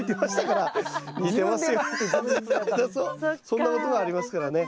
そんなことがありますからね。